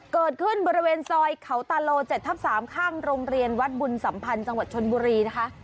เกิดขึ้นบริเวณซอยเขาตาโล๗ทับ๓ข้างโรงเรียนวัดบุญสัมพันธ์จังหวัดชนบุรีนะคะ